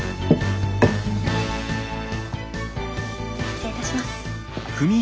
失礼いたします。